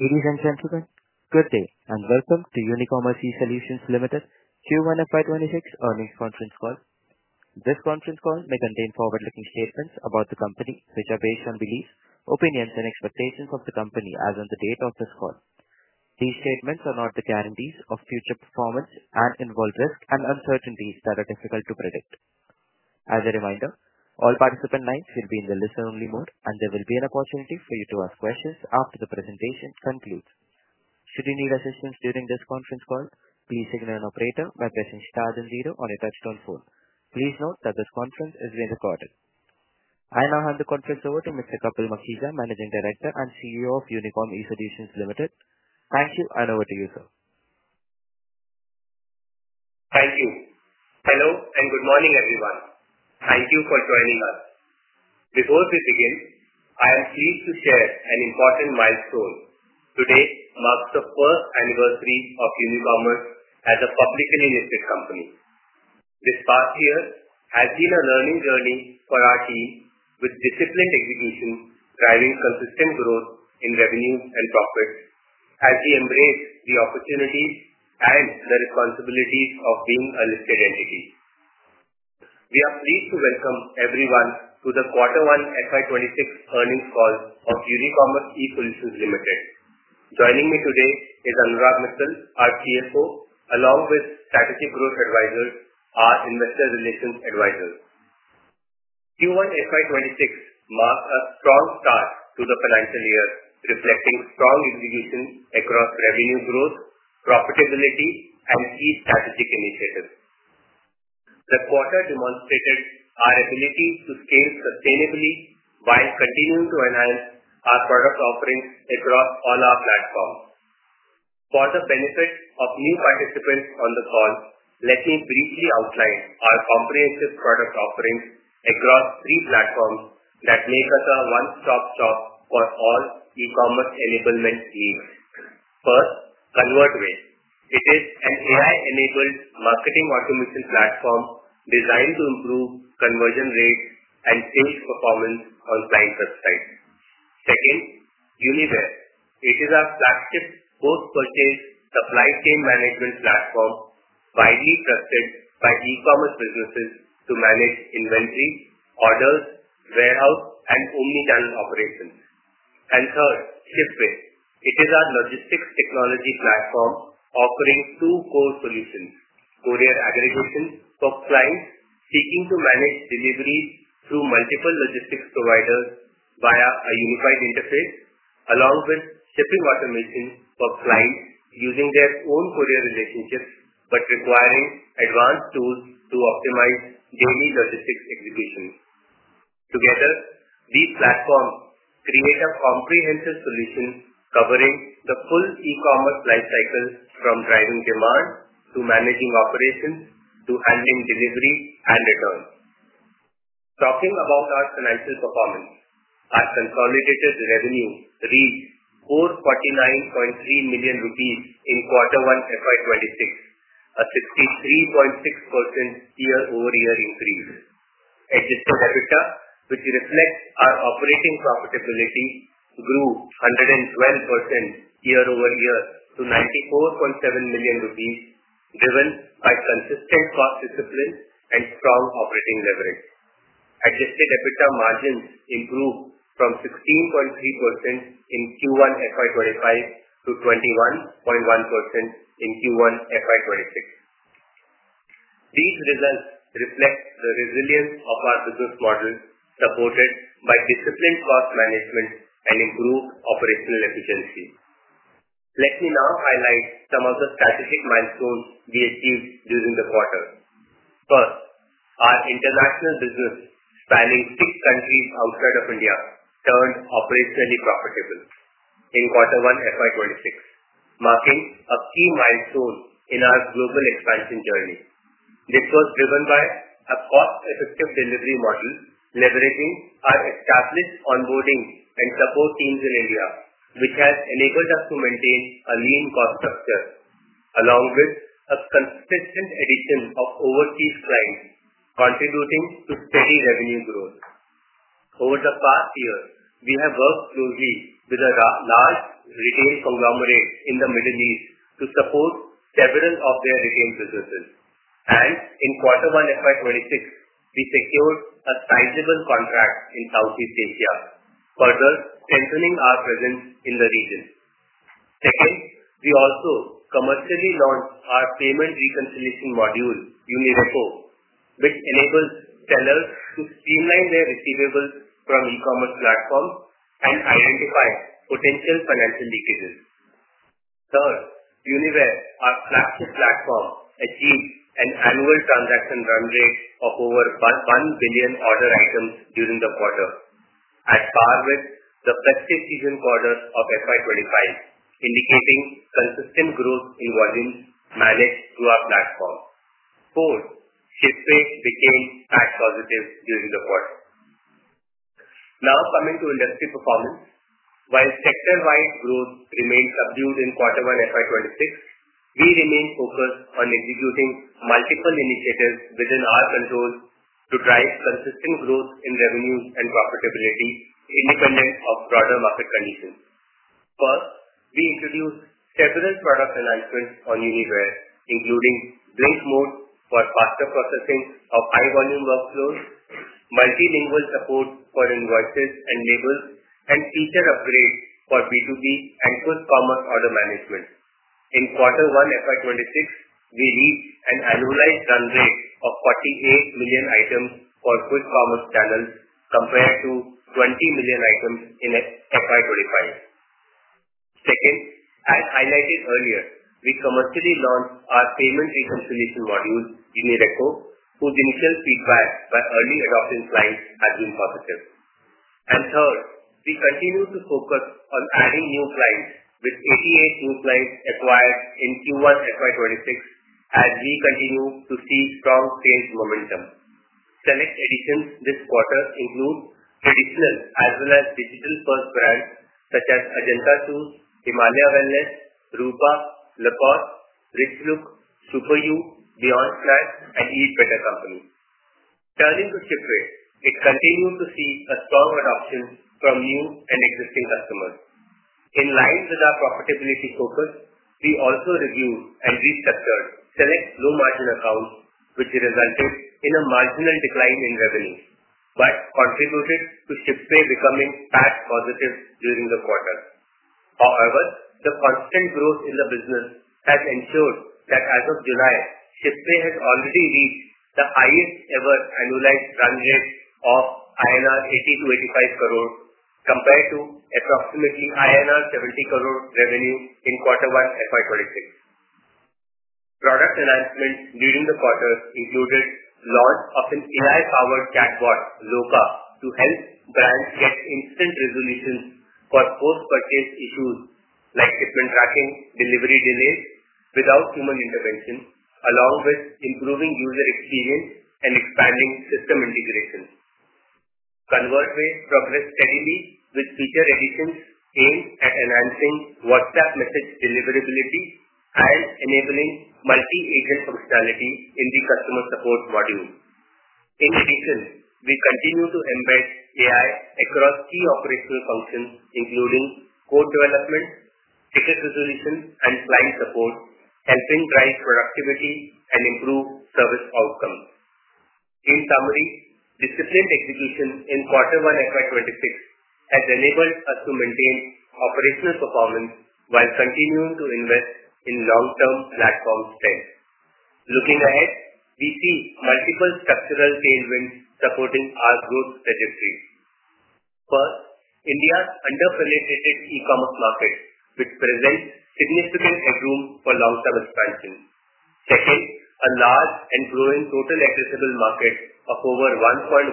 Ladies and gentlemen, good day, and welcome to Unicommerce eSolutions Limited's Q1 FY 2026 Earnings Conference Call. This conference call may contain forward-looking statements about the company, which are based on beliefs, opinions, and expectations of the company as of the date of this call. These statements are not the guarantees of future performance and involve risks and uncertainties that are difficult to predict. As a reminder, all participant names will be in the listen-only mode, and there will be an opportunity for you to ask questions after the presentation concludes. Should you need assistance during this conference call, please signal an operator by pressing Star, zero on a touch-tone phone. Please note that this conference is being recorded. I now hand the conference over to Mr. Kapil Makhija, Managing Director and CEO of Unicommerce eSolutions Limited. Thank you, and over to you, sir. Thank you. Hello and good morning, everyone. Thank you for joining us. Before we begin, I am pleased to share an important milestone: today marks the fourth anniversary of Unicommerce as a publicly listed company. This past year has been a learning journey for our team, with disciplined execution driving consistent growth in revenue and profits as we embrace the opportunities and the responsibilities of being a listed entity. We are pleased to welcome everyone to the Q1 FY 2026 earnings call of Unicommerce eSolutions Limited. Joining me today is Anurag Mittal, our CFO, along with Strategic Growth Advisor, our Investor Relations Advisor. Q1 FY 2026 marks a strong start to the financial year, reflecting strong execution across revenue growth, profitability, and key strategic initiatives. The core demand fitness, our ability to scale sustainably while continuing to enhance our product offerings across all our platforms. For the benefit of new participants on the call, let me briefly outline our comprehensive product offerings across three platforms that make us a one-stop shop for all e-commerce enablement needs. First, Convertway. It is an AI-enabled marketing automation platform designed to improve conversion rates and sales performance on client websites. Second, Uniware. It is our fastest post-purchase supply chain management platform, widely trusted by e-commerce businesses to manage inventory, orders, warehouse, and omnichannel operations. Third, Shipway. It is our logistics technology platform offering two core solutions: courier aggregation for clients seeking to manage deliveries through multiple logistics providers via a unified interface, along with shipping automation for clients using their own courier relationships but requiring advanced tools to optimize journey logistics execution. Together, these platforms create a comprehensive solution covering the full e-commerce lifecycle, from driving demand to managing operations to handling delivery and return. Talking about our financial performance, our consolidated revenue reached 449.3 million rupees in Q1 FY 2026, a 63.6% year-over-year increase. Adjusted EBITDA, which reflects our operating profitability, grew 112% year-over-year to 94.7 million rupees, driven by consistent cost discipline and strong operating leverage. Adjusted EBITDA margins improved from 16.3% in Q1 FY 2025 to 21.1% in Q1 FY 2026. These results reflect the resilience of our business model, supported by disciplined cost management and improved operational efficiency. Let me now highlight some of the strategic milestones we achieved during the quarter. First, our international business, spanning six countries outside of India, turned operationally profitable in Q1 FY 2026, marking a key milestone in our global expansion journey. This was driven by a cost-effective delivery model, leveraging our established onboarding and support teams in India, which has enabled us to maintain a lean cost structure, along with a consistent addition of overseas clients, contributing to steady revenue growth. Over the past year, we have worked closely with a large retail conglomerate in the Middle East to support several of their retail businesses. In Q1 FY 2026, we secured a sizable contract in Southeast Asia, further strengthening our presence in the region. Second, we also commercially launched our payment reconciliation module, UniReco, which enables sellers to streamline their receivables from e-commerce platforms and identify potential financial leakages. Third, Uniware, our platform, achieved an annual transaction run rate of over 1 billion order items during the quarter, as far as the first season quarter of FY 2025, indicating consistent growth in volume managed through our platform. Fourth, Shipway became tax-positive during the quarter. Now coming to industry performance, while sector-wide growth remains subdued in Q1 FY 2026, we remain focused on executing multiple initiatives within our control to drive consistent growth in revenues and profitability, independent of broader market conditions. First, we introduced several product enhancements on Uniware, including Blink Mode for faster processing of high-volume workflows, multilingual support for invoices and labels, and feature upgrades for B2B and post-format order management. In Q1 FY 2026, we reached an annualized run rate of 48 million items for quick format channels compared to 20 million items in FY 2025. Second, as highlighted earlier, we commercially launched our payment reconciliation module in UniReco, whose initial feedback by early adoption clients has been positive. Third, we continue to focus on adding new clients, with 88 new clients acquired in Q1 FY 2026, as we continue to see strong sales momentum. Select additions this quarter include traditional as well as digital-first brands, such as Ajanta Shoes, Himalaya Wellness, Rupa, Lacoste, Richlook, SuperYou, Beyond Snack, and Eat Better Company. Turning to Shipway, it's a testament to see a strong adoption from new and existing customers. In line with our profitability focus, we also reviewed and restructured select low-margin accounts, which resulted in a marginal decline in revenue, but contributed to Shipway becoming tax-positive during the quarter. However, the constant growth in the business has ensured that as of July, Shipway has already reached the highest ever annualized run rate of INR 80-INR85 crore compared to approximately INR 70 crore revenue in Q1 FY 2026. Product enhancements during the quarter included launch of an AI-powered chatbot, Loca, to help brands get instant resolutions for post-purchase issues like shipment tracking and delivery delays without human intervention, along with improving user experience and expanding system integration. Convertway progressed steadily, with feature additions aimed at enhancing WhatsApp message deliverability and enabling multi-agent functionality in the customer support module. In addition, we continue to embed AI across key operational functions, including code development, ticket resolution, and client support, helping drive productivity and improve service outcomes. In summary, disciplined execution in Q1 FY 2026 has enabled us to maintain operational performance while continuing to invest in long-term platform space. Looking ahead, we see multiple structural tailwinds supporting our growth trajectories. First, India's under-proliferated e-commerce market, which presents significant room for long-term expansion. Second, a large and growing total addressable market of over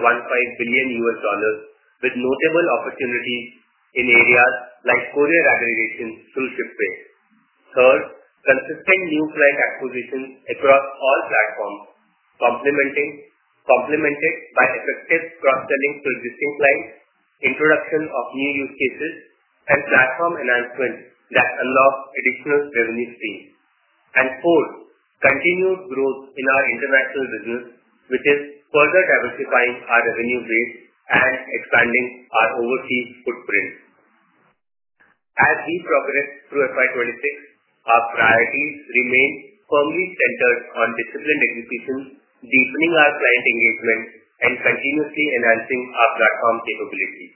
$1.15 billion, with notable opportunity in areas like courier aggregation through Shipway. Third, consistent new client acquisitions across all platforms, complemented by effective cross-selling to existing clients, introduction of new use cases, and platform enhancements that unlock additional revenue streams. Fourth, continued growth in our international business, which is further diversifying our revenue base and expanding our overseas footprint. As we progress through FY 2026, our priorities remain firmly centered on disciplined execution, deepening our client engagement, and continuously enhancing our platform capabilities.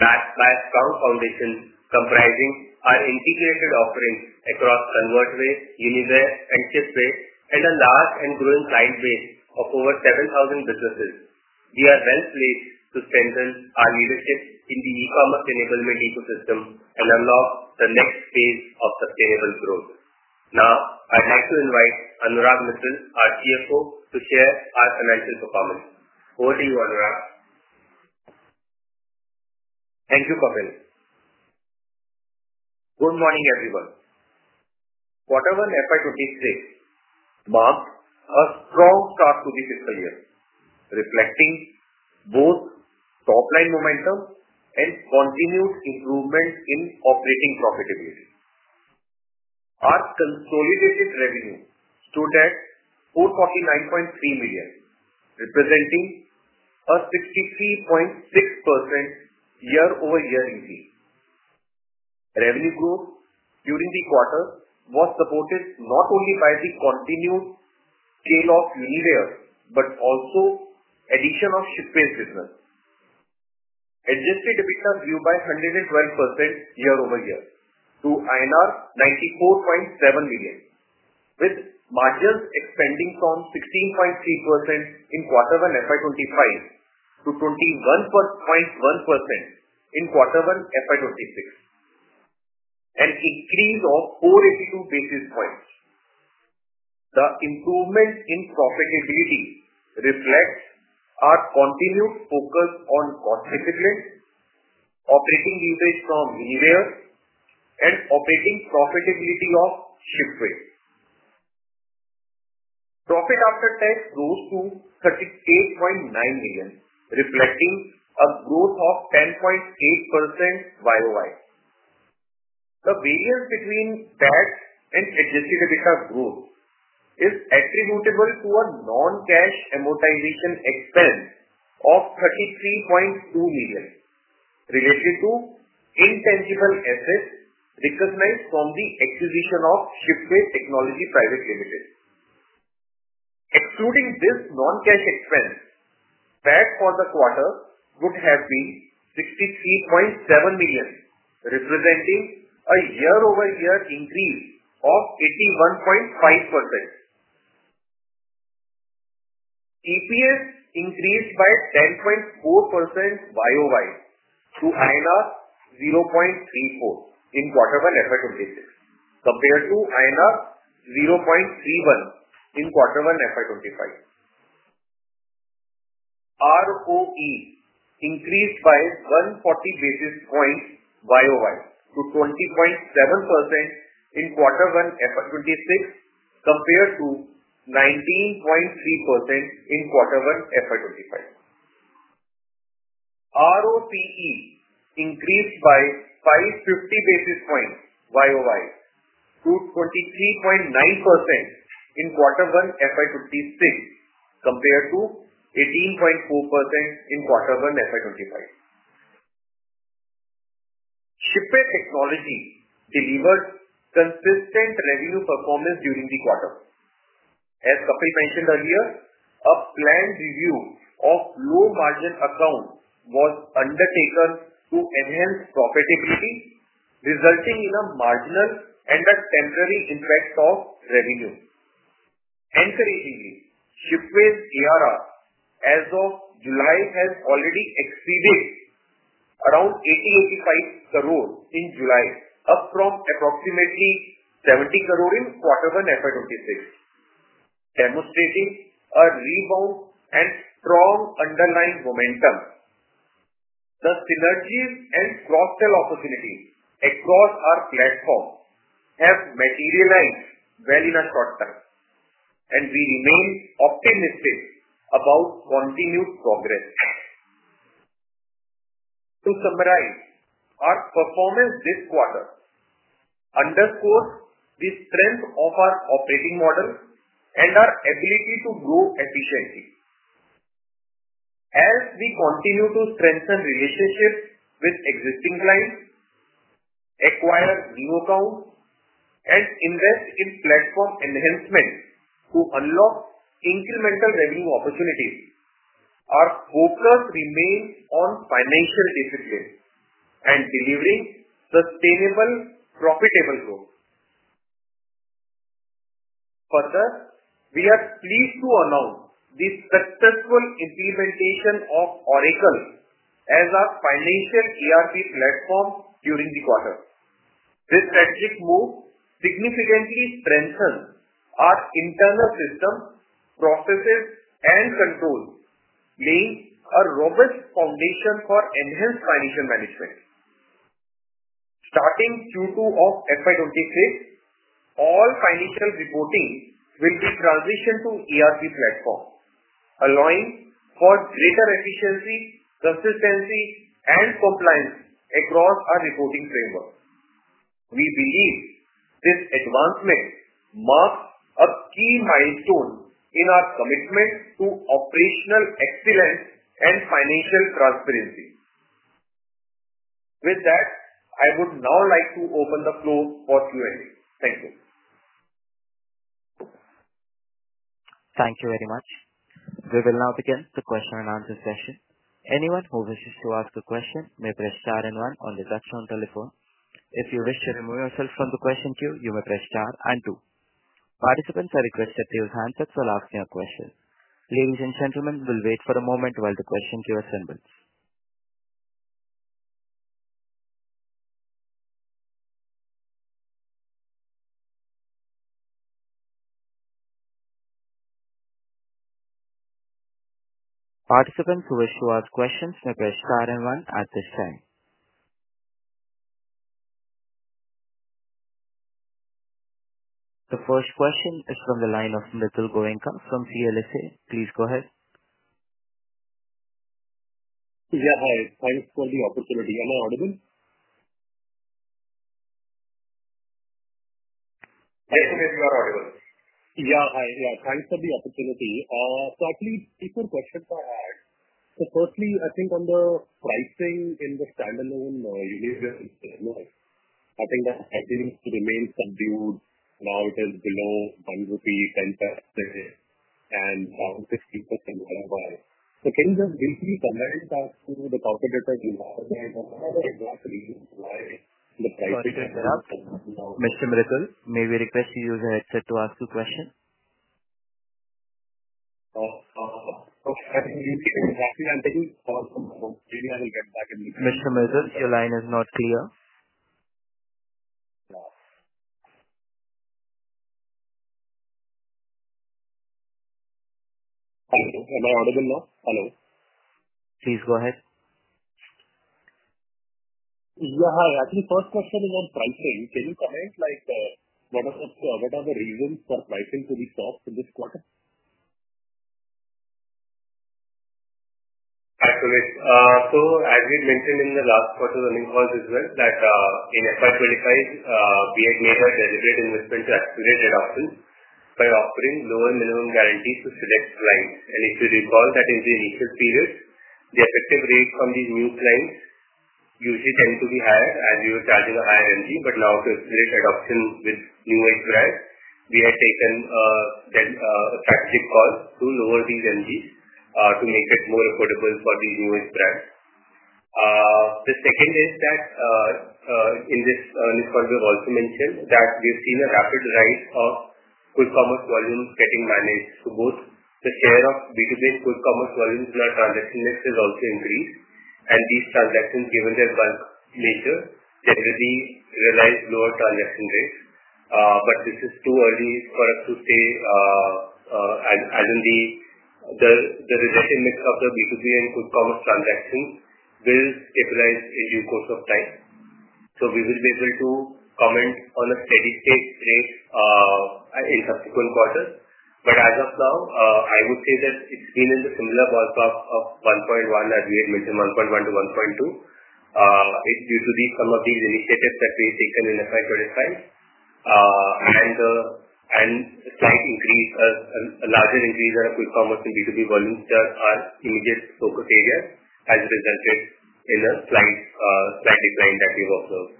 That's why a strong foundation comprising our integrated offerings across Convertway, Uniware, and Shipway and a large and growing client base of over 7,000 businesses. We are well placed to strengthen our leadership in the e-commerce enablement ecosystem and unlock the next phase of sustainable growth. Now, I'd like to invite Anurag Mittal, our CFO, to share our financial performance. Over to you, Anurag. Thank you, Kapil. Good morning, everyone. Q1 FY 2026 marks a strong start to the fiscal year, reflecting both top-line momentum and continued improvement in operating profitability. Our consolidated revenue today is INR 449.3 million, representing a 63.6% year-over-year increase. Revenue growth during the quarter was supported not only by the continued scale of Uniware but also the addition of Shipway's business. Adjusted EBITDA grew by 112% year-over-year to INR 94.7 million, with margins extending from 16.3% in Q1 FY 2025 to 21.1% in Q1 FY 2026, an increase of 482 basis points. The improvements in profitability reflect our continued focus on cost discipline, operating leverage from Uniware, and operating profitability of Shipway. Profit after tax grew to 38.9 million, reflecting a growth of 10.8% year-over-year. The barriers between tax and adjusted EBITDA growth are attributable to a non-cash amortization expense of 33.2 million related to intangible assets recognized from the acquisition of Shipway Technology Private Limited. Excluding this non-cash expense, tax for the quarter would have been 63.7 million, representing a year-over-year increase of 81.5%. EPS increased by 10.4% year-over-year to INR 0.34 in Q1 FY 2026 compared to INR 0.31 in Q1 FY 2025. ROE increased by 140 basis points year-over-year to 20.7% in Q1 FY 2026 compared to 19.3% in Quarter 1 FY 2025. ROCE increased by 550 basis points year-over-year to 23.9% in Q1 FY 2026 compared to 18.4% in Q1 FY 2025. Shipway Technology delivered consistent revenue performance during the quarter. As Kapil mentioned earlier, a planned review of low-margin accounts was undertaken to enhance profitability, resulting in a marginal and a temporary influx of revenue. Ancillary Shipway's ARR as of July has already exceeded around 800-850 million in July, up from approximately 700 million in Q1 FY 2026, demonstrating a rebound and strong underlying momentum. The synergy and cross-sell opportunity across our platform have materialized well in the short term, and we remain optimistic about continued progress. To summarize, our performance this quarter underscores the strength of our operating model and our ability to grow efficiently as we continue to strengthen relationships with existing clients, acquire new accounts, and invest in platform enhancements to unlock incremental revenue opportunities. Our focus remains on financial discipline and delivering sustainable, profitable growth. We are pleased to announce the successful implementation of Oracle as our financial ERP platform during the quarter. This strategic move significantly strengthens our internal system, processes, and controls, making it a robust foundation for enhanced financial management. Starting Q2 of FY 2026, all financial reporting will be transitioned to the ERP platform, allowing for greater efficiency, consistency, and compliance across our reporting framework. We believe this advancement marks a key milestone in our commitment to operational excellence and financial transparency. With that, I would now like to open the floor for Q&A. Thank you. Thank you very much. We will now begin the question-and-answer session. Anyone who wishes to ask a question may press star and one on the touch-on telephone. If you wish to remove yourself from the question queue, you may press star and two. Participants are requested to use handsets while asking a question. Ladies and gentlemen, we'll wait for a moment while the question queue assembles. Participants who wish to ask questions may press star and one at this time. The first question is from the line of Mridul Goenka from CLSA. Please go ahead. Yeah, hi. Thanks for the opportunity. Am I audible? I think you're audible. Yeah, hi. Yeah, thanks for the opportunity. Actually, different questions I had. Firstly, I think on the pricing in the standalone noise, I think the estimates remain subdued now till below INR 1.10 per day and around 50% YoY. Can you just briefly summarize that through the calculated YoY and what are the exact reasons why the pricing graphs? Mr. Mridul, may we request you use a headset to ask a question? Oh, sorry. Mr. Mridul, your line is not clear. Am I audible now? Please go ahead. Yeah, hi. Actually, first question is on pricing. Can you comment, like, what are the reasons for pricing to be soft in this quarter? Absolutely. As we mentioned in the last quarter's earnings calls as well, in FY 2025, we had made our deliberate investment to accelerate adoption by offering lower minimum guarantees to select clients. If you recall, in the initial periods, the effective rate from these new clients usually tended to be higher, and we were charging a higher minimum guarantee. Now, to accelerate adoption with newer brands, we have taken a tactical call to lower these minimum guarantees to make it more affordable for the newer brands. The second is that in this call, we've also mentioned that we've seen a rapid rise of quick format volume getting managed. Both the share of B2B quick format volumes in our transaction mix has also increased. These transactions, given their bulk nature, generally realize lower transaction rates. This is too early for us to say. The resulting mix of the B2B and quick format transactions will stabilize in due course of time. We will be able to comment on a steady state rate in subsequent quarters. As of now, I would say that it's been in the similar ballpark of 1.1, as we had mentioned, INR1.1-INR 1.2. It's due to some of these initiatives that we've taken in FY 2025. A slight increase, a larger increase in our quick format and B2B volumes as immediate focus areas has resulted in a slight decline that we worked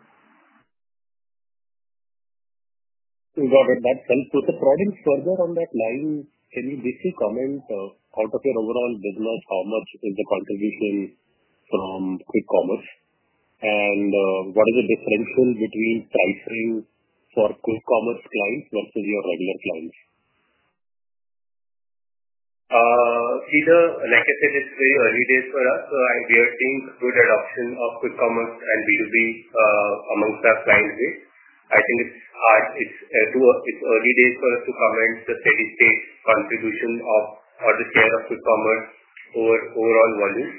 with. Got it. Thanks. To probe further on that line, can you briefly comment on your overall business, how much is the contribution from quick format? What is the differential between transferring for quick format clients versus your regular clients? It's relatively early days for us. I think with the adoption of quick format and B2B amongst our client base, it's too early days for us to comment on the steady state contribution of the share of quick format or overall volume.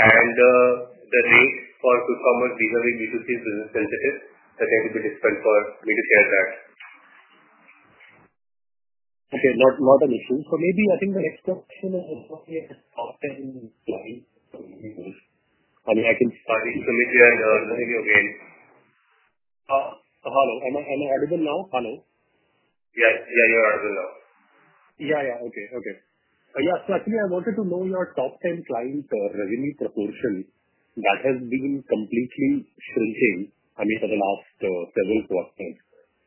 The rates for quick format dealing with B2C business are sensitive and had to be dismissed for maybe four grants. Okay, not an issue. I think the next question is about your top 10 clients. I mean, I think starting from here and the other way. Hello, am I audible now? Hello? Yes, you're audible now. Okay. I wanted to know your top 10 clients or revenue proportion that has been completely changing over the last several quarters.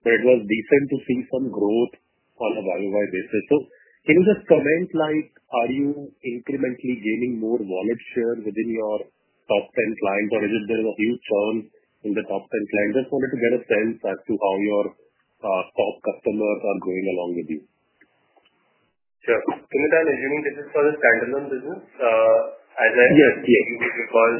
It was decent to see some growth on a YoY basis. Can you just comment, like, are you incrementally gaining more knowledge share within your top 10 clients, or is there a huge churn in the top 10 clients? Just wanted to get a sense as to how your top customers are going along with you. Sure. I'm assuming this is for the standalone business, as I'm seeing this call.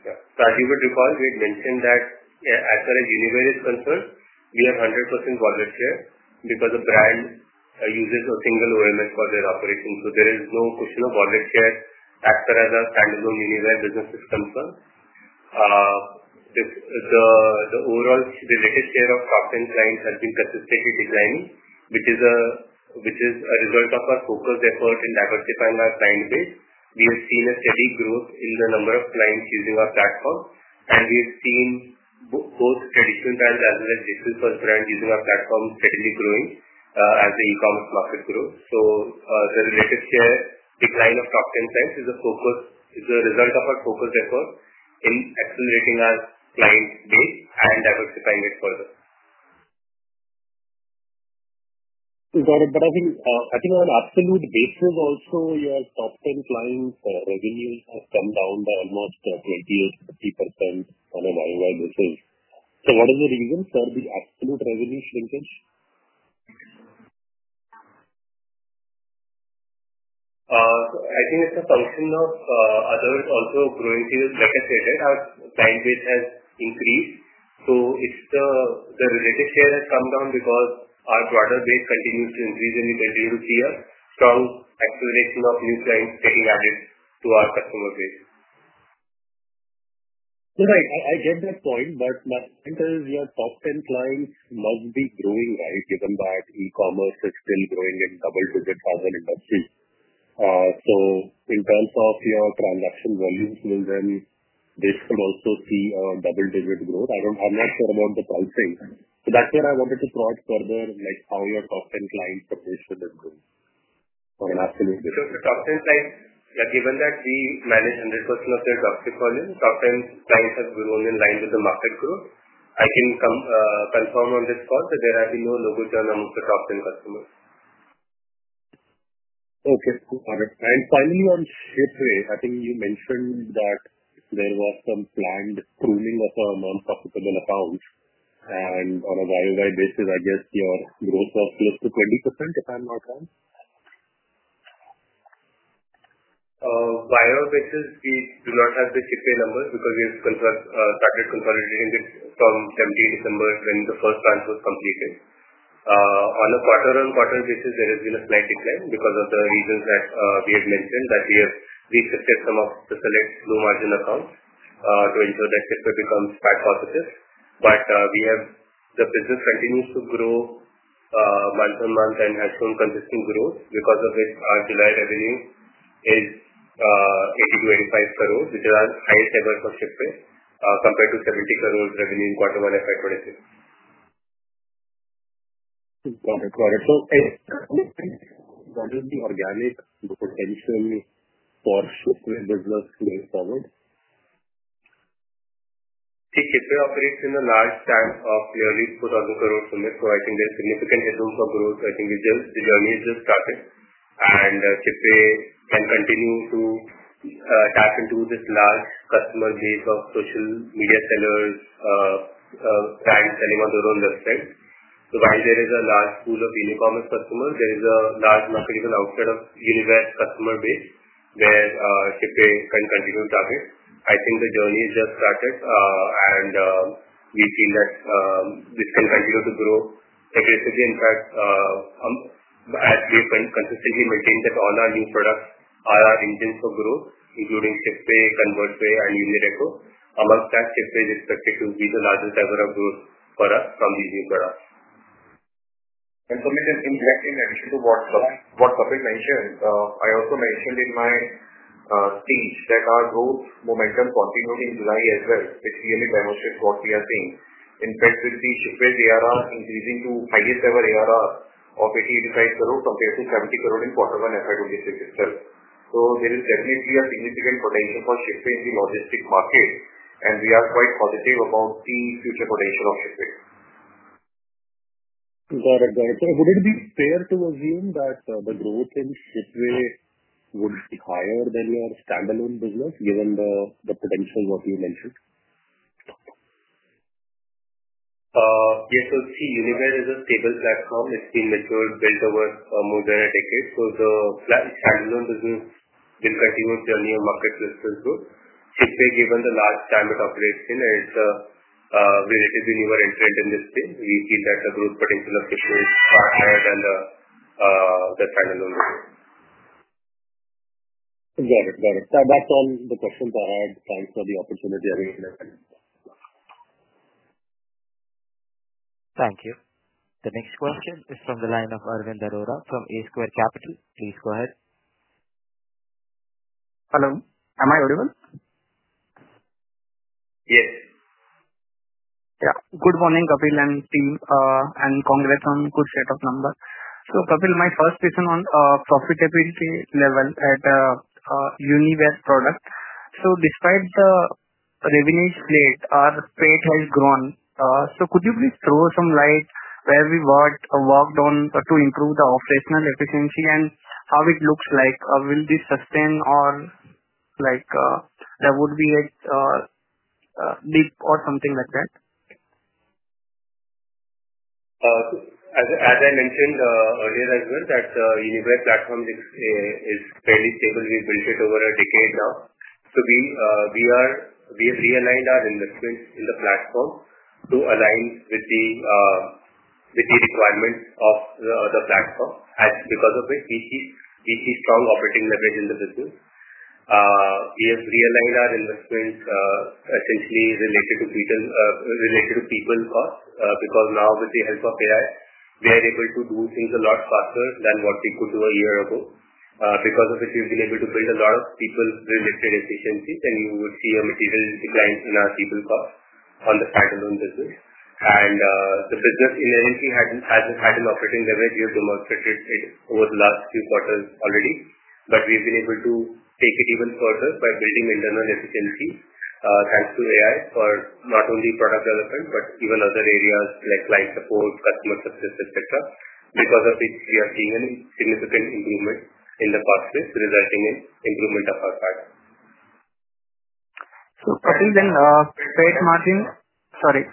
Yes. Yeah. As you would recall, we had mentioned that as far as Uniware is concerned, we have 100% knowledge share because the brand uses a single OMS for their operations. There is no question of knowledge share as far as our standalone Uniware business is concerned. The overall share of top 10 clients has been consistently declining, which is a result of our focused effort in diversifying our client base. We have seen a steady growth in the number of clients using our platform. We have seen both traditional brands as well as distance-first brands using our platform steadily growing as the e-commerce market grows. The related share decline of top 10 clients is a result of our focused effort in accelerating our client base and diversifying it further. I think on an absolute basis, also, your top 10 clients' revenue has come down by almost 20% or 30% on a YoY basis. What are the reasons for the absolute revenue shrinkage? I think it's a function of other. Also, growing series, like I said, our client base has increased. It's the relative share that's come down because our broader base continues to increase, and we continue to see a strong acceleration of new clients getting added to our customer base. Right. I get that point. My point is your top 10 clients must be growing as given that e-commerce is still growing and coming to the core of the industry. In terms of your transaction volumes, will this also see a double-digit growth? I'm not sure about the quality, but that's what I wanted to cross further, like, how your top 10 clients perceive the business from an absolute basis. The top 10 clients, given that we manage 100% of their top 10 volume, have grown in line with the market growth. I can confirm on this call that there has been no local churn amongst the top 10 customers. Okay. Got it. Finally, on Shipway, I think you mentioned that there was some planned cooling of our non-profitable accounts. On a YoY basis, I guess your growth was close to 20%, if I'm not wrong. YoY basis, we do not have the Shipway numbers because we have started consolidating it from February to December when the first plan was completed. On a quarter-on-quarter basis, there has been a slight decline because of the reasons that we had mentioned, that we have resisted some of the select low-margin accounts to ensure that Shipway performs at corporate. However, the business continues to grow month on month and has some consistent growth because of which our desired revenue is 80- 85 crore, which is our highest ever for Shipway compared to 70 crore revenue in Q1 FY 2026. Got it. Got it. What is the organic potential for Shipway to develop to move forward? Shipway operates in a large stack of early-post-on-current clients, so I think there's significant headroom for growth. I think the journey has just started. Shipway can continue to tap into this large customer base of social media sellers, clients selling on their own website. While there is a large pool of Uniware customers, there is a large market even outside of Uniware's customer base where Shipway can continue to target. I think the journey has just started, and we've seen that this can continue to grow aggressively. In fact, we've consistently maintained that all our new products are our engines for growth, including Shipway, Convertway, and Uniware. Amongst that, Shipway is expected to lead to a larger number of growth for us from these new products. This is indirectly in addition to what Kapil mentioned. I also mentioned in my speech that our growth momentum continued in July as well. It really demonstrated what we are seeing. In fact, you'll see Shipway's ERR increasing to the highest ever ERR of 80-INR85 crore compared to 70 crore in Q1 FY 2026 as well. There is definitely a significant potential for Shipway in the logistics market. We are quite positive about the future potential of Shipway. Got it. Got it. Would it be fair to assume that the growth in Shipway would be higher than your standalone business, given the potential work you mentioned? Yes. Uniware is a stable platform. It's been matured, built over more than a decade. The standalone business will continue its journey and market share will grow, especially given the large stack it operates in. It's a related to Uniware entrant in this space. We see that her growth potential is much higher than the standalone business. Got it. Got it. That's all the questions I had, thanks for the opportunity every day. Thank you. The next question is from the line of Arvind Arora from A Square Capital. Please go ahead. Hello. Am I audible? Yes. Yeah. Good morning, Kapil and team, and congrats on a good set of numbers. Kapil, my first question on profitability level at Uniware products. Despite the revenue split, our split has grown. Could you please throw some light where we watch a walkdown to improve the operational efficiency and how it looks like? Will this sustain or like there would be a dip or something like that? As I mentioned earlier as well, that Uniware platform is fairly stable. We've built it over a decade now. We have realigned our investments in the platform to align with the requirements of the other platform. Because of it, we see strong operating leverage in the business. We have realigned our investments essentially related to people cost because now with the help of AI, they are able to do things a lot faster than what they could do a year ago. Because of it, we've been able to build a lot of people-related efficiencies, and you will see a material decline in our people cost on the standalone business. The business in the company hasn't had an operating leverage year-over-year over the last few quarters already. We've been able to take it even further by building internal efficiency thanks to AI for not only product development but even other areas like client support, customer success, etc. Because of it, we are seeing a significant improvement in the cost base, resulting in improvement of our product. Kapil, split margins, sorry.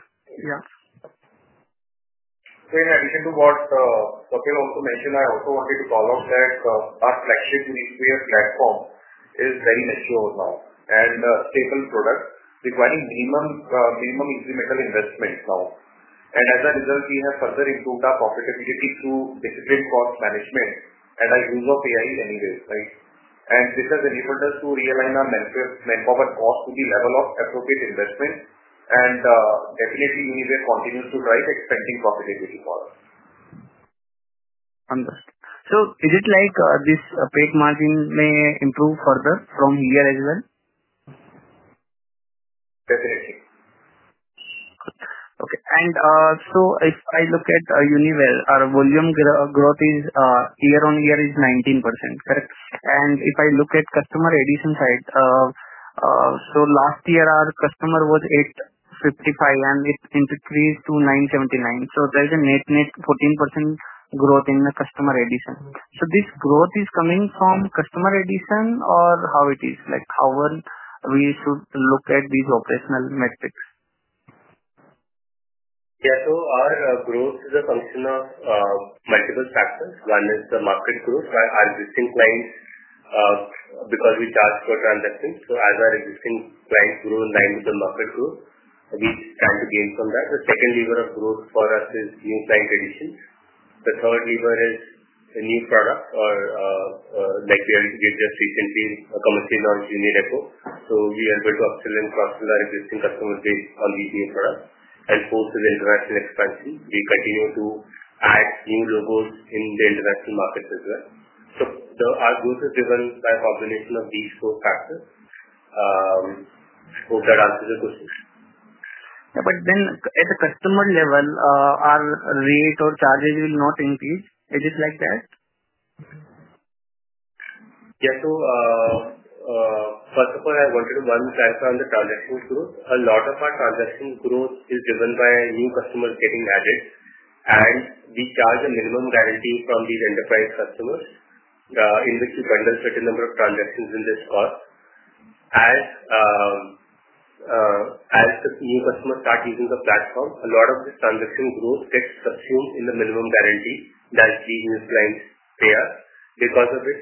Yeah. In addition to what Kapil also mentioned, I also wanted to comment that our practice in the platform is very mature now and a stable product requiring minimum incremental investments now. As a result, we have further improved our profitability through discipline cost management and our use of AI anyways, right? This has enabled us to realign our manpower cost to the level of appropriate investment. Definitely, Uniware continues to drive expanding profitability for us. Understood. Is it like this split margin may improve further from year as well? Definitely. Okay. If I look at Uniware, our volume growth is year-on-year 19%, correct? If I look at customer addition side, last year, our customer was 855, and it increased to 979. There's a net-net 14% growth in the customer addition. Is this growth coming from customer addition or how it is? How should we look at these operational metrics? Yeah. Our growth is a function of multiple factors. One is the market growth. Our existing clients, because we charge for transactions, as our existing clients grow in line with the market growth, we start to gain from that. The second lever of growth for us is new client additions. The third lever is a new product or, like we already did the efficiency, commercially launched UniReco. We enter to excellent cost with our existing customer base on these new products. The fourth is international expansion. We continue to add new logos in the international markets as well. Our growth is driven by a combination of these four factors. Hope that answers your questions. Yeah, at the customer level, our rate or charges will not increase. Is it like that? Yeah. First of all, I wanted to, one, clarify on the transactional growth. A lot of our transactional growth is driven by new customers getting added. We charge a minimum guarantee from these enterprise customers, in which we handle a certain number of transactions in this call. As the new customer starts using the platform, a lot of the transactional growth gets subsumed in the minimum guarantee that these new clients pay us. Because of it,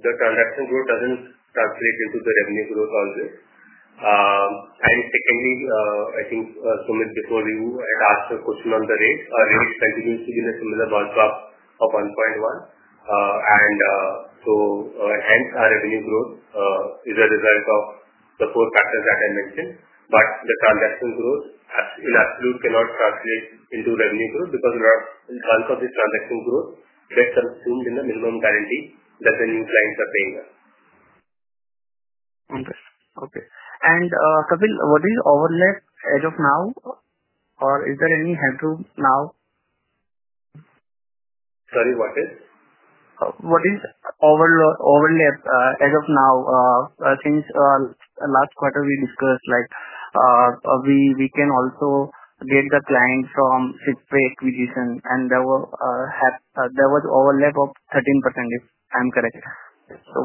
the transactional growth doesn't calculate into the revenue growth all this. Secondly, I think, Kapil, before you had asked a question on the rates, our rates continue to be in a similar ballpark of 1.1. Hence, our revenue growth is a result of the four factors that I mentioned. The transactional growth in absolute cannot translate into revenue growth because a chunk of this transactional growth gets subsumed in the minimum guarantee that the new clients are paying us. Okay. Okay. Kapil, what is overlap as of now? Is there any headroom now? Sorry, what is? What is overlap as of now? I think last quarter we discussed, like, we can also get the clients from Shipway acquisition. There was an overlap of 13% if I'm correct.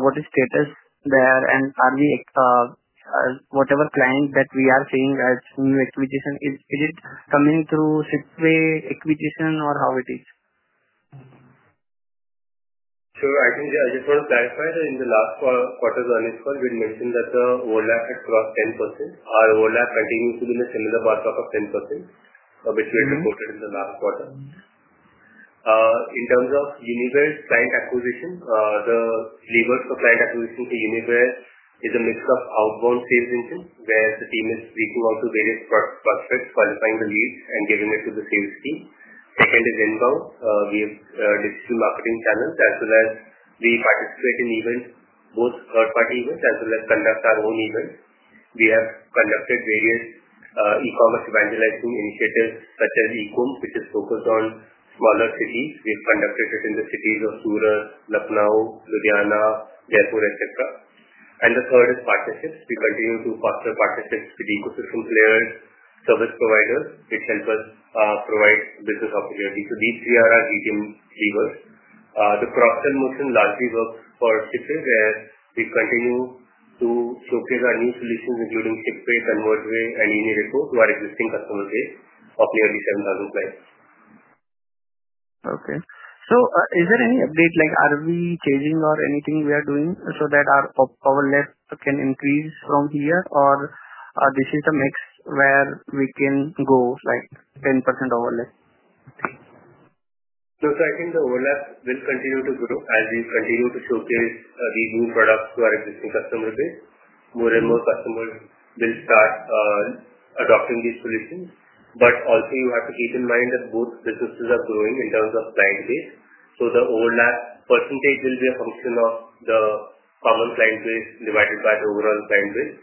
What is status there? Are we, whatever client that we are seeing that new acquisition is, is it coming through Shipway acquisition or how it is? Sure. I think just for clarifying, in the last quarter's earnings call, we had mentioned that the overlap across 10%. Our overlap continues to be in a similar ballpark of 10%, which we had reported in the last quarter. In terms of Uniware's client acquisition, the lever for client acquisition to Uniware is a mix of outbound sales engine where the team is reaching out to various prospects, qualifying the leads, and giving it to the sales team. Second is inbound. We have digital marketing channels as well as we participate in events, both third-party events as well as conduct our own events. We have conducted various e-commerce evangelizing initiatives such as ECOM, which is focused on smaller cities. We've conducted it in the cities of Surat, Lucknow, Ludhiana, Jaipur, etc. The third is partnerships. We continue to foster partnerships with ecosystem players, service providers, which helps us provide business opportunities. These three are our GTM levers. The cross-sell motion largely works for Shipway where we continue to showcase our new solutions, including Shipway, Convertway, and UniReco to our existing customer base of nearly 7,000 players. Okay. Is there any update, like are we changing or anything we are doing so that our overlap can increase from here? Or is this a mix where we can go like 10% overlap? I think the overlap will continue to grow as we continue to showcase these new products to our existing customer base. More and more customers will start adopting these solutions. You have to keep in mind that both businesses are growing in terms of client base. The overlap % will be a function of the common client base divided by the overall client base.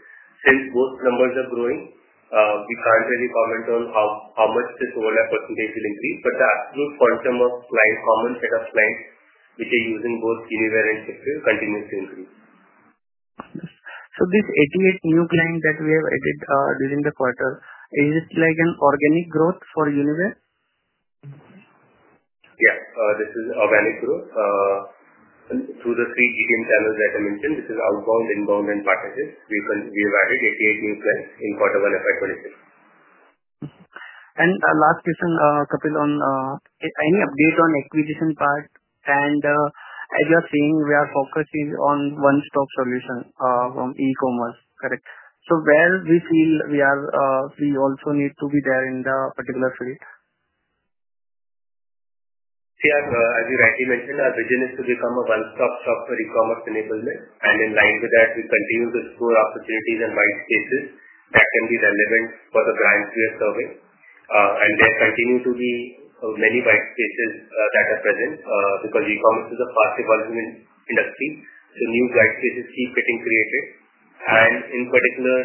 Since both numbers are growing, we can't really comment on how much this overlap % will increase. The actual quantum of clients, common set of clients which are using both Uniware and Shipway, continues to increase. These 88 new clients that we have added during the quarter, is this like an organic growth for Uniware? Yeah. This is organic growth through the three GTM channels, as I mentioned, which is outbound, inbound, and packages. We have added 88 new clients in Q1 FY 2026. Last question, Kapil, any update on the acquisition part? As you are saying, we are focusing on one-stop solution from e-commerce, correct? Where do you feel we are? You also need to be there in the particular space? Yeah. As you rightly mentioned, our vision is to become a one-stop shop for e-commerce enablement. In line with that, we continue to explore opportunities and white spaces that can be relevant for the clients we are serving. There continue to be many white spaces that are present because e-commerce is a fast-evolving industry, so new white spaces keep getting created. In particular,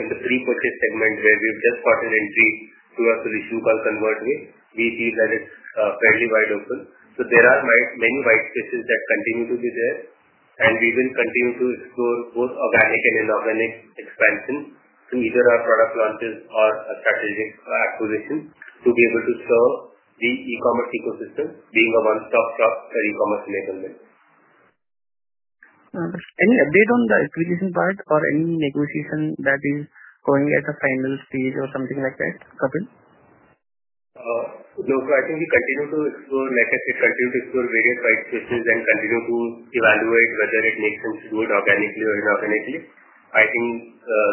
in the pre-purchase segment where we've just gotten entry to a solution called Convertway, we feel that it's fairly wide open. There are many white spaces that continue to be there, and we will continue to explore both organic and inorganic expansion through either our product launches or strategic acquisitions to be able to show the e-commerce ecosystem being a one-stop shop for e-commerce enablement. Any update on the acquisition part or any negotiation that is going at the final stage or something like that, Kapil? I think we continue to explore various white spaces and continue to evaluate whether it makes sense to do it organically or inorganically. I think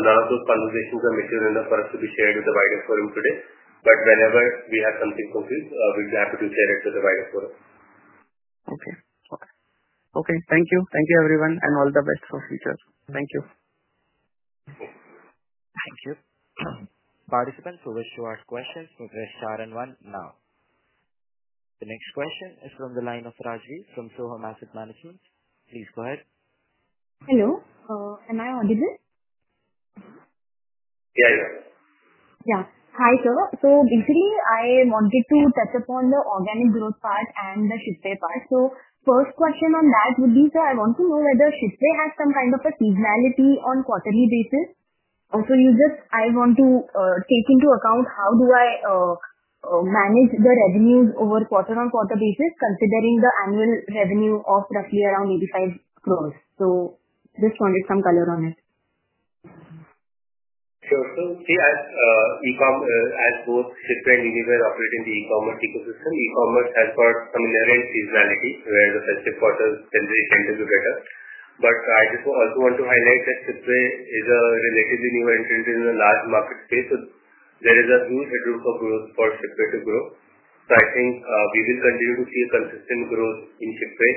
now those conversations are not mature enough for us to be shared with the wider forum today. Whenever we have something concrete, we'll be happy to share it with the wider forum. Okay. Thank you, everyone, and all the best for the future. Thank you. Thank you. Participants who wish to ask questions may start and run now. The next question is from the line of Rajvi from Sohum Asset Managers. Please go ahead. Hello. Am I audible? Yeah, you are. Yeah. Hi, sir. Basically, I wanted to touch upon the organic growth part and the Shipway part. My first question on that would be, I want to know whether Shipway has some kind of a seasonality on a quarterly basis. Also, I want to take into account how do I manage the revenues over a quarter-on-quarter basis, considering the annual revenue of roughly around 85 crores. I just wanted some color on it. Sure. See, as e-commerce, as both Shipway and Uniware operate in the e-commerce ecosystem, e-commerce has got some inherent seasonality where the festive quarter can be slightly better. I just also want to highlight that Shipway is a relatively new entrant in the market space. There is a huge headroom for Shipway to grow. I think we will continue to see a consistent growth in Shipway.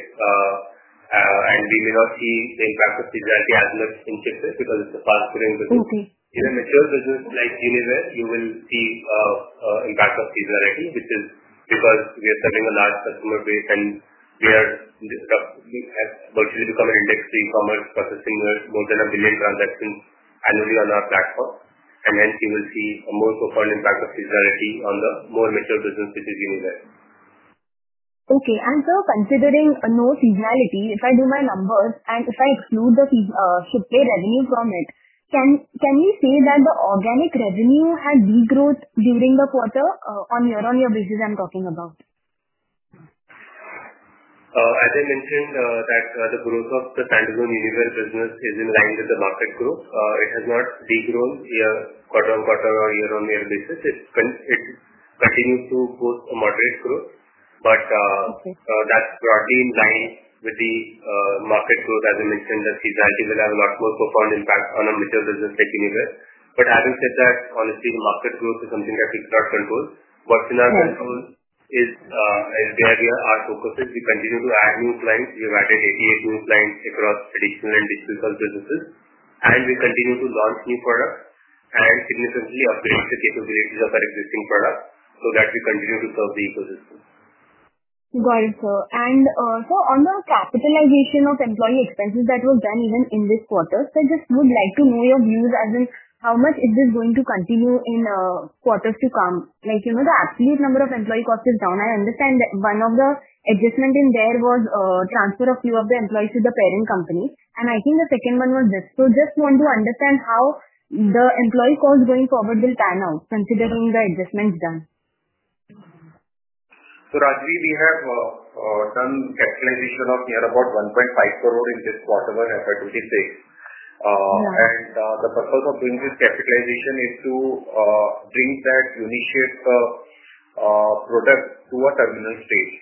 We may not see a backup seasonality as much in Shipway because it's a fast-growing business. In a mature business like Uniware, you will see a backup seasonality because we are serving a large customer base. We have virtually become an index to e-commerce, processing more than a billion transactions annually on our platform. Hence, you will see a more profound impact of seasonality on the more mature business, which is Uniware. Okay. Sir, considering no seasonality, if I do my numbers and if I exclude the Shipway revenue from it, can we say that the organic revenue had degrowth during the quarter on a year-on-year basis I'm talking about? As I mentioned, the growth of the standalone Uniware business is in line with the market growth. It has not degrown on a quarter-on-quarter or year-on-year basis. It continues to quote a moderate growth, which is broadly in line with the market growth. The seasonality has a lot more profound impact on a mature business like Uniware. Having said that, honestly, the market growth is something that we cannot control. What's in our control is behind our focus. We continue to add new clients. We've added 88 new clients across traditional and digital health businesses. We continue to launch new products and significantly upgrade the capabilities of our existing products so that we continue to serve the ecosystem. Got it, sir. On the capital allocation of employee expenses that was done even in this quarter, sir, just would like to know your views as in how much is this going to continue in quarters to come? The absolute number of employee costs is down. I understand that one of the adjustments in there was a transfer of a few of the employees to the parent company. I think the second one was this. Just want to understand how the employee costs going forward will pan out considering the adjustments done. Rajiv, we have done capitalization of about 1.5 crore in this quarter by FY 2026. The purpose of doing this capitalization is to bring that unit-shaped product to a terminal stage.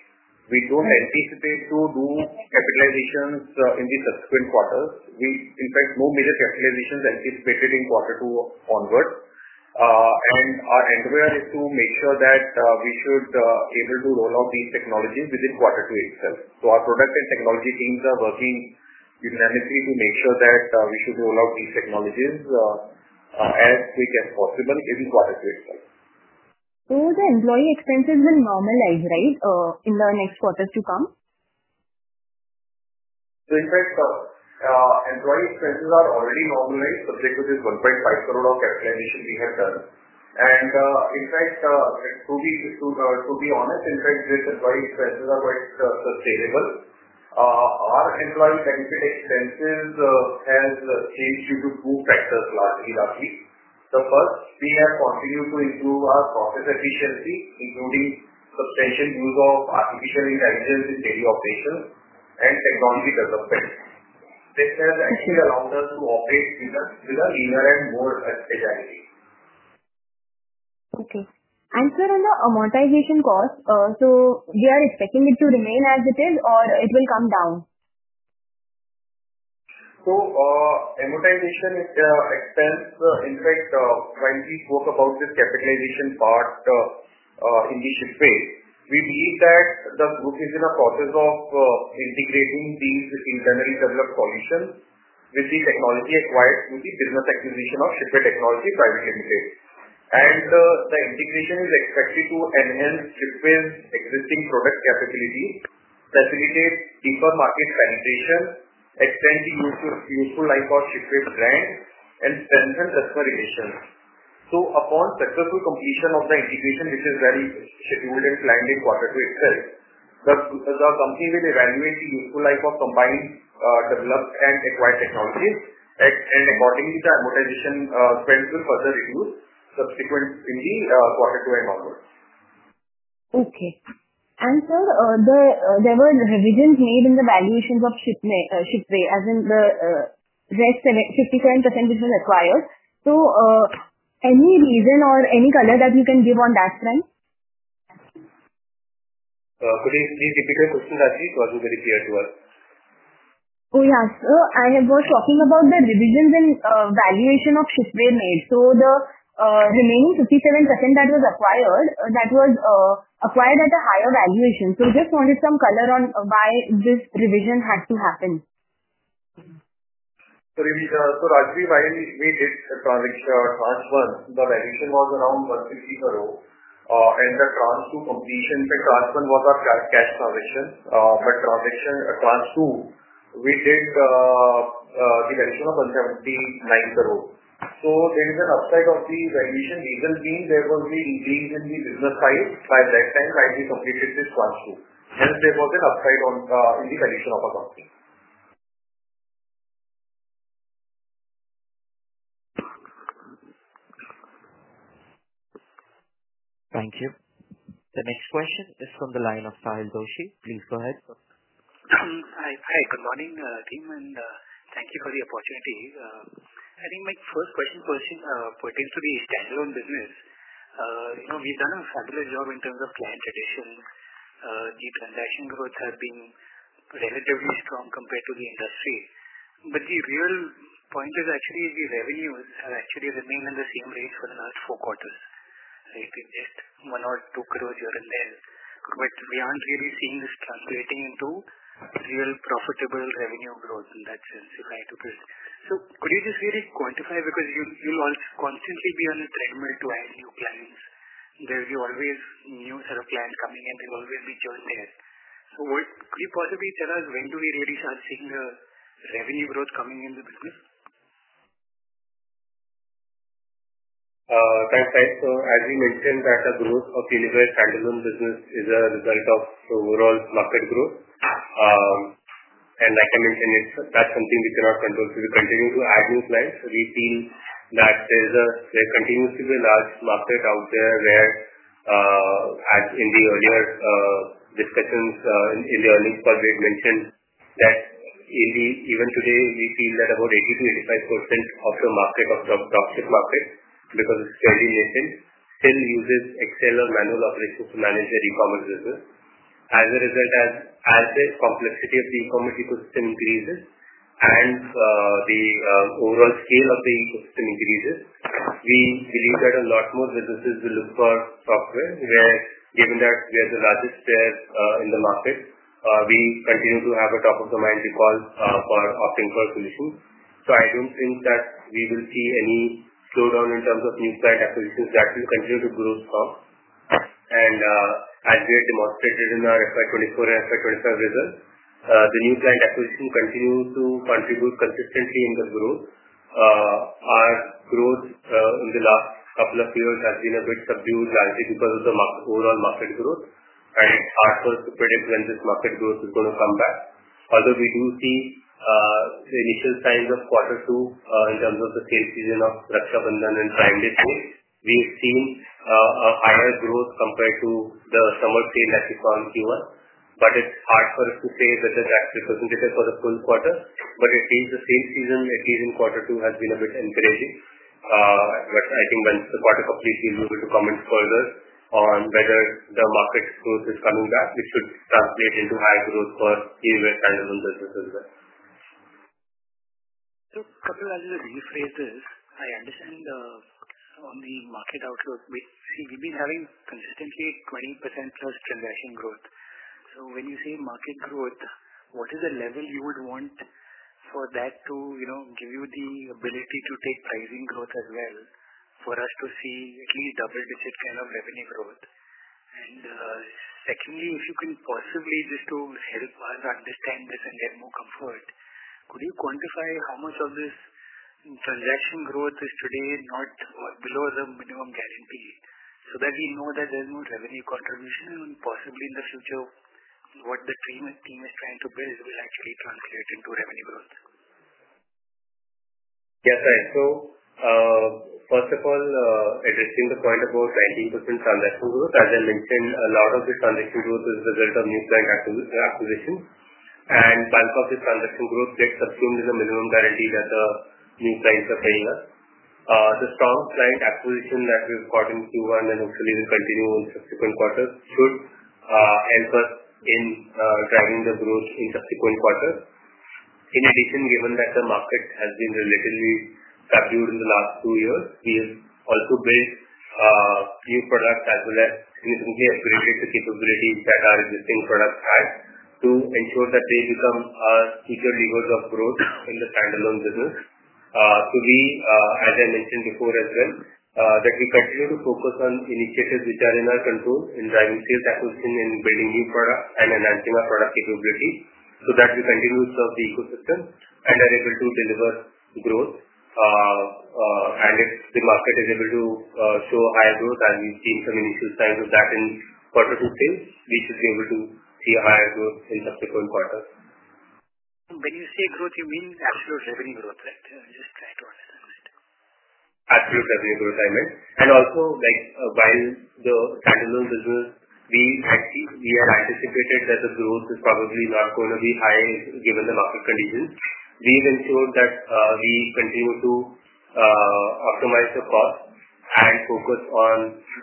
We don't anticipate to do capitalizations in the subsequent quarters. In fact, no major capitalizations are anticipated in quarter two onward. Our endeavor is to make sure that we should be able to roll out these technologies within quarter two itself. Our product and technology teams are working unanimously to make sure that we should roll out these technologies as quick as possible in quarter two itself. Will the employee expenses normalize, right, in the next quarters to come? In fact, employee expenses are already normalized subject to this INR 1.5 crore of capital we have done. To be honest, the employee expenses are quite sustainable. Our underlying benefit expenses have changed due to two factors largely. The first, we have continued to improve our process efficiency, including substantial use of artificial intelligence in daily operations and technology development. This has actually allowed us to operate with a year and more expense. Okay. Sir, on the amortization cost, are we expecting it to remain as it is, or will it come down? Amortization is the expense. In fact, prior we spoke about this capitalization part in the Shipway. We believe that the group is in the process of integrating these seasonally developed solutions with the technology acquired through the business acquisition of Shipway Technology Private Limited. The integration is expected to enhance Shipway's existing product capabilities, facilitate deeper market penetration, extend the useful life of Shipway's brand, and strengthen customer relations. Upon successful completion of the integration, which is very scheduled and planned in quarter two itself, the company will evaluate the useful life of compliance developed and acquired technologies. Accordingly, the amortization spend will further reduce subsequently in quarter two and onwards. Okay. Sir, there were revisions made in the valuations of Shipway, as in the 57% which was acquired. Any reason or any color that you can give on that front? Kapil, please repeat your question last week because it wasn't very clear to us. Oh, yeah. Sir, I was talking about the revisions in valuation of Shipway made. The remaining 57% that was acquired, that was acquired at a higher valuation. I just wanted some color on why this revision had to happen. Rajiv, why we did transition class one, the valuation was around 160 crore. In the class two completion, the class one was our cash transition. Transition class two, we did the rest of the 17 lines a row. There is an upside of the valuation, reason being there was the engagement in the business side. By that time, we completed this class two. Hence, there was an upside in the valuation of our company. Thank you. The next question is from the line of Sahil Doshi. Please go ahead. Hi. Good morning, team, and thank you for the opportunity. I think my first question pertained to the standalone business. We've done an affordable job in terms of client service. The transaction growth has been relatively strong compared to the industry. The real point is actually the revenue is actually running in the same rate for the last four quarters, right? It's just more or less booked closure in there. We aren't really seeing this translating into real profitable revenue growth in that zone we would like to do. Could you just really quantify because you'll constantly be on a trend to have new plans? There's always a new sort of plan coming in. We always reach out there. Could you possibly tell us when do we really start seeing the revenue growth coming in the business? Thanks, Sahil Doshi. As we mentioned, the growth of Uniware's standalone business is a result of overall market growth. Like I mentioned, that's something we cannot control. We continue to add new clients. We've seen that there's a continuously large market out there where, as in the earlier discussions in the earnings call, we've mentioned that even today, we feel that about 80%-85% of the market, of the total addressable market because it's fairly nascent, still uses Excel or manual automation to manage their e-commerce business. As a result, as the complexity of the e-commerce ecosystem increases and the overall scale of the ecosystem increases, we believe that a lot more businesses will look for software. Whereas, given that there's a larger share in the market, we continue to have a top-of-the-mind request for opting for a solution. I don't think that we will see any slowdown in terms of new client acquisitions. That will continue to grow strong. As we have demonstrated in our FY 2024 and FY 2025 results, the new client acquisition continues to contribute consistently in the growth. Our growth in the last couple of periods has been a bit subdued largely because of the overall market growth. It's hard for us to predict when this market growth is going to come back. Although we do see the initial signs of quarter two in terms of the same season of Raksha Bandhan and Prime Day sales, we've seen an hourly growth compared to the summer trend that we saw in Q1. It's hard for us to say whether that's because we did it for the full quarter. It seems the same season at least in quarter two has been a bit improving. I think once the quarter completes, we'll be able to comment further on whether the market growth is coming back, which should translate into high growth for Uniware standalone business as well. Kapil, as you illustrated, I understand the market outgrowth. We've been having consistently 20% of transaction growth. When you say market growth, what is the level you would want for that to give you the ability to take pricing growth as well for us to see at least a double-digit kind of revenue growth? Secondly, if you can possibly just to help us understand this and get more comfort, could you quantify how much of this transaction growth is today not below the minimum guarantee so that we know that there's no revenue contribution and possibly in the future what the team is trying to build will actually translate into revenue? Yes, Sahil. First of all, addressing the point about 19% transaction growth, as I mentioned, a lot of the transaction growth is a result of new client acquisition. Part of the transaction growth gets subsumed in the minimum guarantee that the new clients are paying us. The strong client acquisition that we've got in Q1 and hopefully will continue in subsequent quarters should help us in driving the growth in subsequent quarters. In addition, given that the market has been relatively subdued in the last two years, we have also built new products that will improve the capability that our existing products have to ensure that they become our future levers of growth in the standalone business. As I mentioned before as well, we continue to focus on initiatives which are in our control in driving sales acquisition and building new products and enhancing our product capabilities so that we continue to serve the ecosystem and are able to deliver growth. If the market is able to show high growth, as we've seen from the initial signs of that in quarter two sales, we should be able to see a higher growth in subsequent quarters. When you say growth, you mean actual revenue growth, right? I just wanted to understand that. Absolute revenue growth, I meant. Also, while the standalone business, we have seen we have anticipated that the growth is probably not going to be high given the market conditions. We've ensured that we continue to optimize the cost and focus on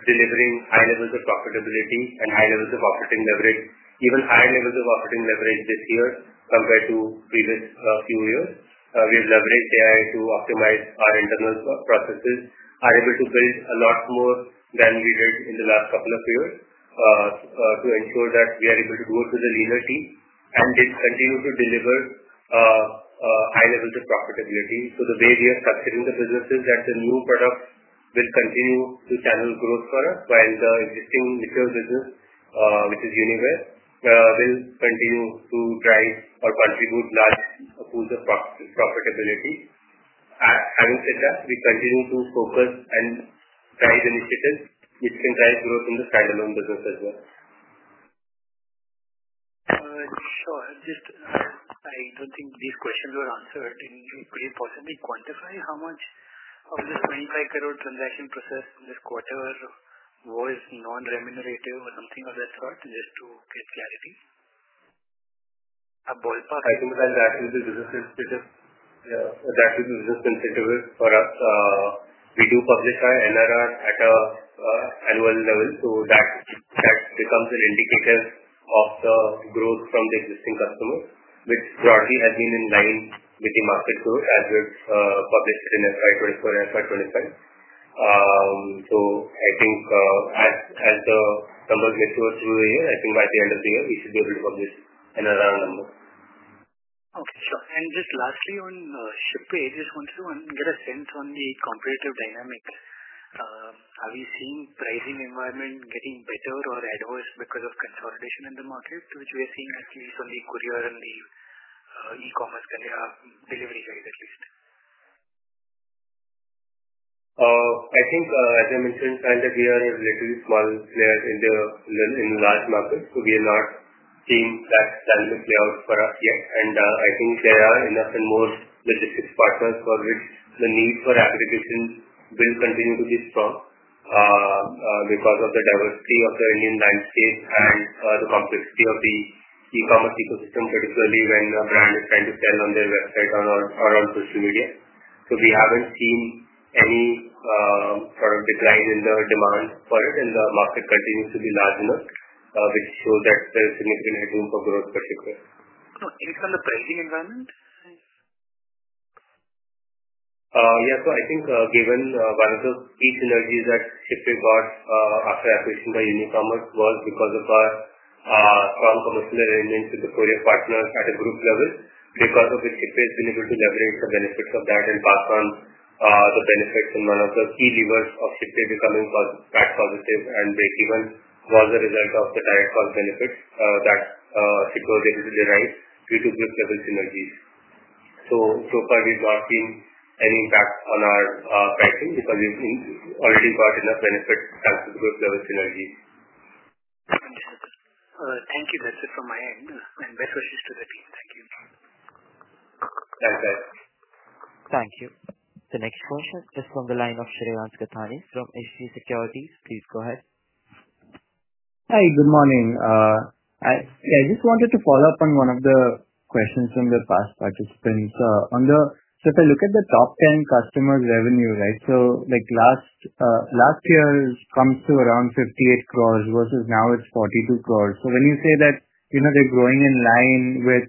delivering high levels of profitability and high levels of operating leverage, even higher levels of operating leverage this year compared to previous few years. We've leveraged AI to optimize our internal processes, are able to build a lot more than we did in the last couple of years to ensure that we are able to go through the linear feed and just continue to deliver high levels of profitability. The way we are structuring the business is that the new products will continue to channel growth for us while the existing mature business, which is Uniware, will continue to drive or contribute large pools of profitability. With that, we continue to focus and drive initiatives which can drive growth in the standalone business as well. Sure. I don't think these questions were answered. Could you possibly quantify how much of this 25 crore transaction per post this quarter was non-remunerative or something of that sort just to get clarity? A ballpark, I can present that in the businesses because that is more considerable for us. We do publish our NRR at an annual level. That becomes an indicator of the growth from the existing customers, which broadly has been in line with the market growth as we've published it in FY 2024 and FY 2025. I think as the numbers get to us over the year, by the end of the year, we should be able to publish NRR on them. Okay. Sure. Just lastly, on Shipway, just wanted to get a sense on the competitive dynamics. Have you seen pricing environment getting better or worse because of consolidation in the markets, which we are seeing actually from the courier and the e-commerce? Yeah. I think, as I mentioned, the fact that we are a relatively small player in the large market, we are not seeing that standard playout for us yet. I think there are enough and more logistics partners for which the need for aggregation will continue to be strong because of the diversity of the Indian landscape and the complexity of the e-commerce ecosystem, particularly when a brand is trying to sell on their website or on social media. We haven't seen any product decline in the demand for it, and the market continues to be large enough, which shows that there is a significant room for growth, particularly. Just on the pricing environment? Yeah. I think given one of the key synergies that Shipway was after acquisition by Unicommerce was because of our strong commercial arrangements with the courier partners at a group level. Because of this, Shipway has been able to leverage the benefits of that and pass on the benefits. One of the key levers of Shipway becoming more transformative and break-even was a result of the direct cost benefits that Shipway was able to derive due to group-level synergies. So far, we've not seen any impact on our pricing because we've already got enough benefits as to group-level synergies. Understood. All right. Thank you. That's it from my end. Best wishes to the team. Thank you. Thanks, Sahil. Thank you. The next question is from the line of Shreyans Gathani from SG Securities. Please go ahead. Hi. Good morning. I just wanted to follow up on one of the questions from the past participants. If I look at the top 10 customer revenue, right? Last year it has come to around 58 crores versus now it's 42 crore. When you say that they're growing in line with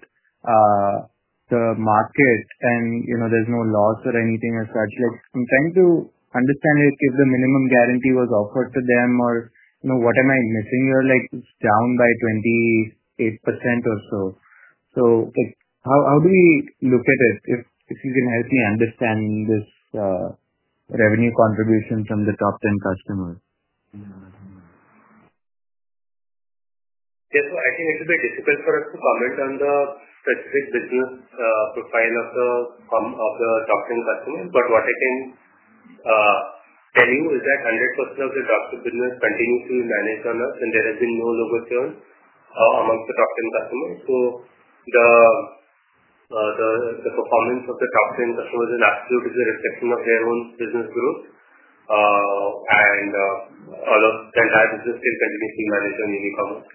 the markets and there's no loss or anything like that, I'm trying to understand if the minimum guarantee was offered to them or what am I missing? It's down by 28% or so. How do you look at this, if you can help me understand this revenue contribution from the top 10 customers? I think it's a bit difficult for us to comment on the specific business profile of the top 10 customers. What I can tell you is that 100% of the top 10 customers continue to be managed on us, and there has been no logo sale amongst the top 10 customers. The performance of the top 10 customers is an absolute reflection of their own business growth. The entire business still continues to be managed on Unicommerce.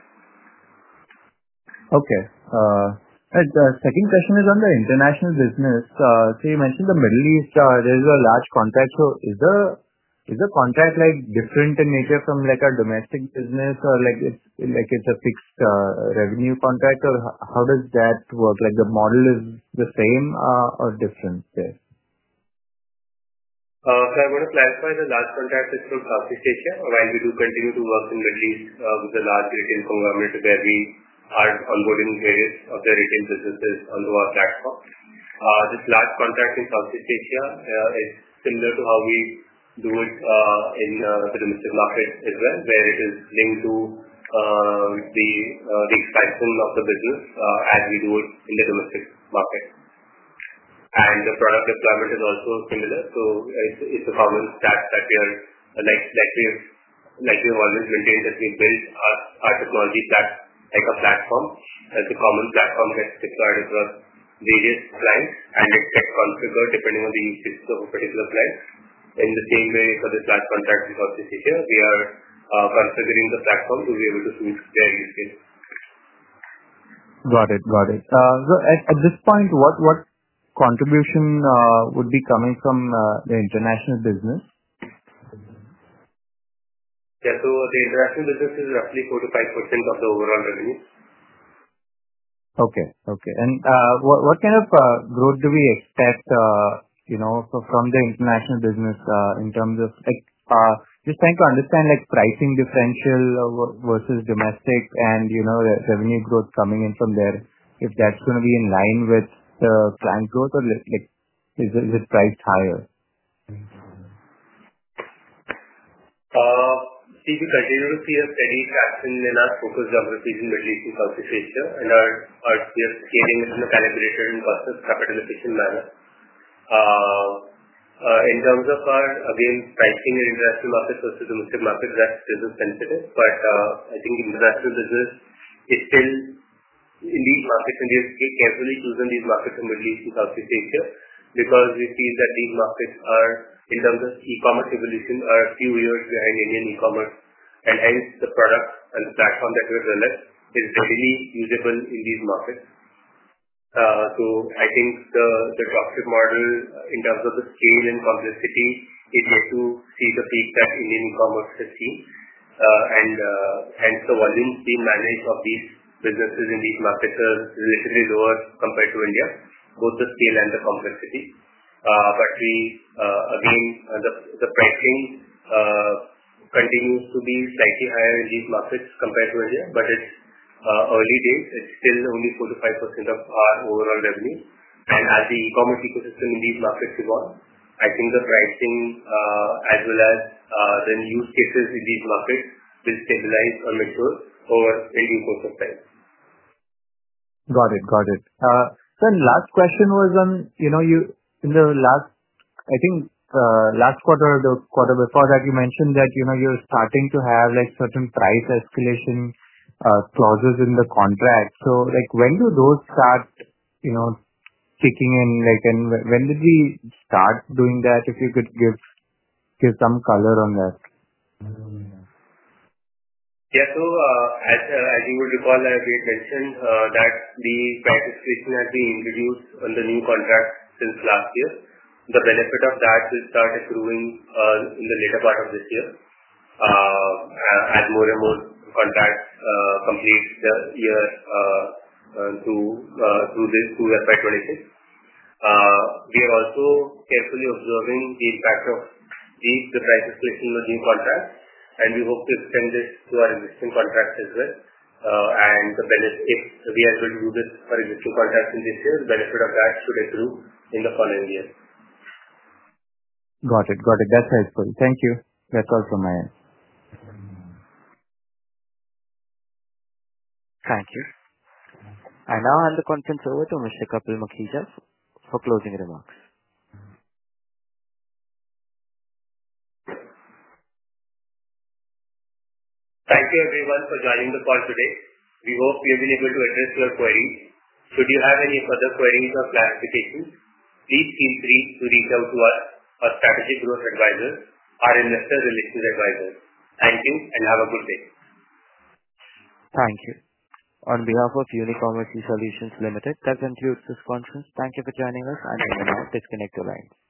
The second question is on the international business. You mentioned the Middle East, there's a large contract. Is the contract different in nature from a domestic business or is it a fixed revenue contract? How does that work? Is the model the same or different there? I want to clarify the last contract is from Southeast Asia. We do continue to work in the Middle East with the large European conglomerates where we are onboarding various of their retail businesses onto our platform. This last contract in Southeast Asia is similar to how we do it in the domestic market as well, where it is linked to the stack home of the business as we do it in the domestic market. The product deployment is also similar. It's a common stack that we are selective, like we always maintained as we build our technology stacks and our platform. It's a common platform that's deployed across various plans and it can configure depending on the usage of a particular plan. In the same way, for this last contract in Southeast Asia, we are configuring the platform to be able to suit their use case. Got it. Got it. At this point, what contribution would be coming from the international business? The international business is roughly 4%-5% of the overall revenue. What kind of growth do we expect from the international business in terms of just trying to understand pricing differential versus domestic and revenue growth coming in from there, if that's going to be in line with the planned growth or is it priced higher? We continue to see a steady traction in our focused geographies in the Middle East and Southeast Asia. Our sales scaling is on a calibrated and cost-based capital-efficient level. In terms of our pricing in the international markets versus domestic markets, that's business principle. International business is still in these markets. We just carefully choose the lead markets in the Middle East and Southeast Asia because we see that these markets are, in terms of e-commerce evolution, a few years behind Indian e-commerce. The product and the platform that we've developed is definitely usable in these markets. The toxic model in terms of the scale and complexity had to seize the seat that Indian e-commerce has seen. The volume being managed of these businesses in these markets is relatively lower compared to India, both the scale and the complexity. The pricing continues to be slightly higher in these markets compared to India. It's early days. It's still only 4%-5% of our overall revenue. As the e-commerce ecosystem in these markets evolves, the pricing as well as the new use cases in these markets will stabilize or mature over any course of time. Got it. Sir last question was on, in the last, I think last quarter or the quarter before that, you mentioned that you're starting to have certain price escalation clauses in the contract. When do those start kicking in? When did we start doing that? If you could give some color on that? As you would recall, I've mentioned that the price escalation has been introduced under new contracts since last year. The benefit of that will start accruing in the later part of this year as more and more contracts complete the year through this, through FY 2026. We are also carefully observing the impact of the price escalation in the new contracts. We hope to extend this to our existing contracts as well. If we are able to do this for initial contracts in this year, the benefit of that should accrue in the following year. Got it. Got it. That's helpful. Thank you. That's all from my end. Thank you. Now I'll hand the conference over to Mr. Kapil Mukhija for closing remarks. Thank you, everyone, for joining the call today. We hope we have been able to address your queries. Should you have any further queries or clarifications, please feel free to reach out to our Strategy Growth Advisors or Investor Relations Advisors. Thank you and have a good day. Thank you. On behalf of Unicommerce eSolutions Limited, that concludes this conference. Thank you for joining us. We will now disconnect the line.